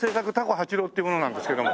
八郎っていう者なんですけども。